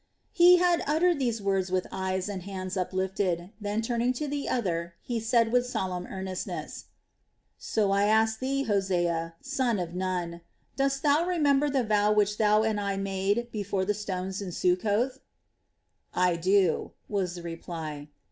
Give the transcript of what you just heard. He had uttered these words with eyes and hands uplifted, then turning to the other, he said with solemn earnestness: "So I ask thee Hosea, son of Nun, dost thou remember the vow which thou and I made before the stones in Succoth?" "I do," was the reply.